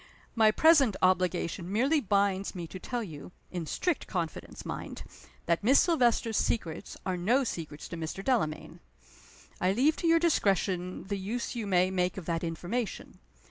My present obligation merely binds me to tell you in strict confidence, mind! that Miss Silvester's secrets are no secrets to Mr. Delamayn. I leave to your discretion the use you may make of that information.